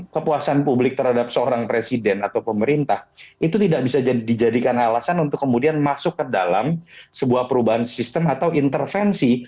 kepuasan publik terhadap seorang presiden atau pemerintah itu tidak bisa dijadikan alasan untuk kemudian masuk ke dalam sebuah perubahan sistem atau intervensi